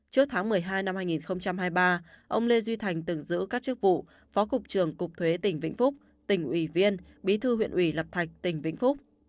trước tháng một mươi hai năm hai nghìn hai mươi ba ông lê duy thành từng giữ các chức vụ phó cục trưởng cục thuế tỉnh vĩnh phúc tỉnh ủy viên bí thư huyện ủy lập thạch tỉnh vĩnh phúc